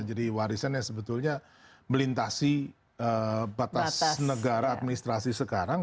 jadi warisan yang sebetulnya melintasi batas negara administrasi sekarang